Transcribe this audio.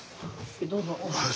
どうぞ。